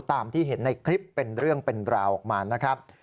ตามที่เห็นในคลิปเป็นเรื่องเป็นราวออกมานะครับ